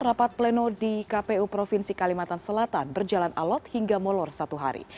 rapat pleno di kpu provinsi kalimantan selatan berjalan alot hingga molor satu hari